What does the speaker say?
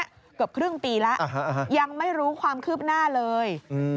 เกือบครึ่งปีแล้วยังไม่รู้ความคืบหน้าเลย